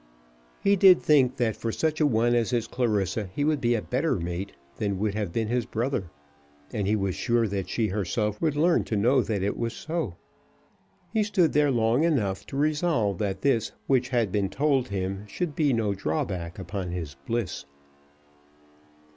He did think that for such a one as his Clarissa he would be a better mate than would have been his brother, and he was sure that she herself would learn to know that it was so. He stood there long enough to resolve that this which had been told him should be no drawback upon his bliss.